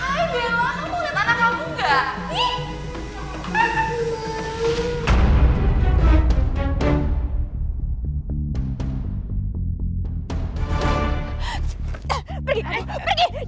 kamu cakir anak aku kan